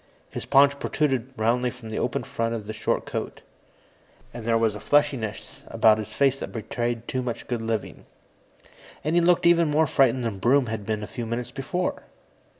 His paunch protruded roundly from the open front of the short coat, and there was a fleshiness about his face that betrayed too much good living. And he looked even more frightened than Broom had been a few minutes before.